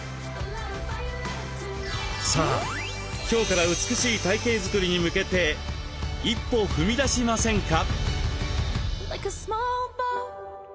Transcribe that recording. さあ今日から美しい体形作りに向けて一歩踏み出しませんか。